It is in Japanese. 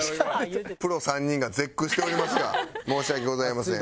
プロ３人が絶句しておりますが申し訳ございません。